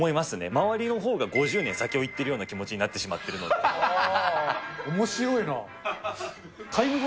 周りのほうが５０年先をいってるような気持ちになってしまってるおもしろいな。